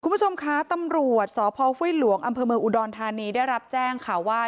คุณผู้ชมคะตำรวจสพห้วยหลวงอำเภอเมืองอุดรธานีได้รับแจ้งค่ะว่า